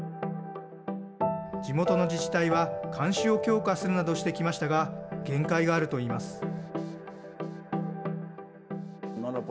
地元の自治体は監視を強化するなどしてきましたが限界があるといいます。